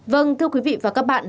vâng thưa quý vị và các bạn